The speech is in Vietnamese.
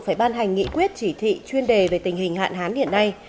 phải ban hành nghị quyết chỉ thị chuyên đề về tình hình hạn hán hiện nay